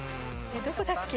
どこだっけ？